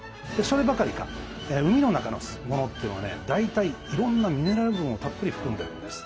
そればかりか海の中のものというのはね大体いろんなミネラル分をたっぷり含んでるんです。